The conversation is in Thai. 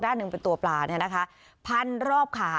หนึ่งเป็นตัวปลาเนี่ยนะคะพันรอบขา